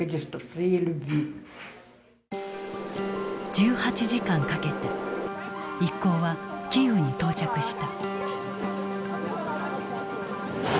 １８時間かけて一行はキーウに到着した。